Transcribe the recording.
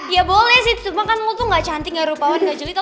ya boleh sih cuma kan lo tuh gak cantik gak rupawan gak jelita